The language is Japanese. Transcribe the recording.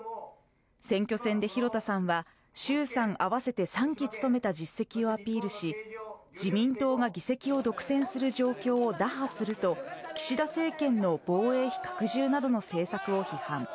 選挙戦で広田さんは、衆参合わせて３期務めた実績をアピールし、自民党が議席を独占する状況を打破すると、岸田政権の防衛費拡充などの政策を批判。